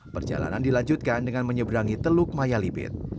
perjalanan dilanjutkan dengan menyeberangi teluk maya libit